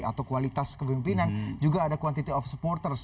atau kualitas kepemimpinan juga ada quantitive of supporters